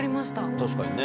確かにね。